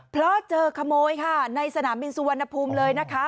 เพราะเจอขโมยค่ะในสนามบินสุวรรณภูมิเลยนะคะ